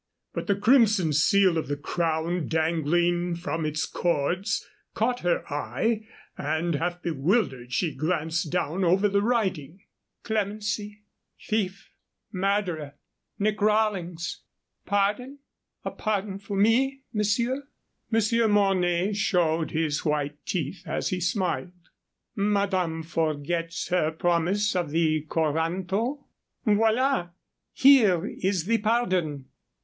But the crimson seal of the crown, dangling from its cords, caught her eye, and, half bewildered, she glanced down over the writing. "Clemency thief murderer Nick Rawlings pardon? a pardon for me, monsieur?" Monsieur Mornay showed his white teeth as he smiled. "Madame forgets her promise of the coranto. Voilà! Here is the pardon.